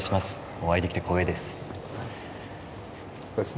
お会いできて光栄です。